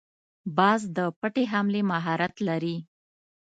باز د پټې حملې مهارت لري